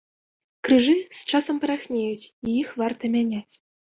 Крыжы з часам парахнеюць і іх варта мяняць.